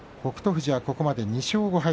富士、ここまで２勝５敗。